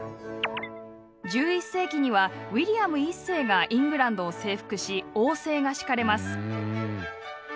１１世紀にはウィリアム１世がイングランドを征服し王政がしかれます。